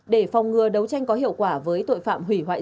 để phòng ngừa đấu tranh có hiệu quả với tội phạm hủy hoại